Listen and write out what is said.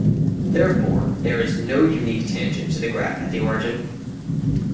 Therefore, there is no unique tangent to the graph at the origin.